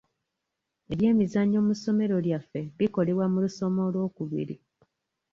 Ebyemizannyo mu ssomero lyaffe bikolebwa mu lusoma olwokubiri.